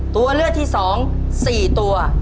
ตัวเลือกที่๒๔ตัว